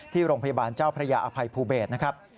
ที่โรงพยาบาลเจ้าพระยาอภัยภูเบศนะครับ